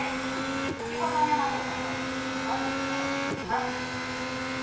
先ほど混ぜた調味料の方に加えていきます。